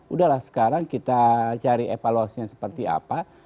udah lah sekarang kita cari evaluasinya seperti apa